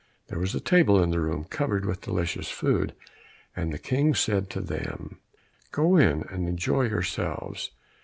There was a table in the room covered with delicious food, and the King said to them, "Go in, and enjoy yourselves."